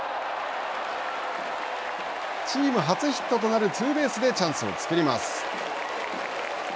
チーム初ヒットとなるツーベースでチャンスを作ります。